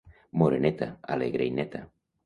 Moreneta, alegre i neta.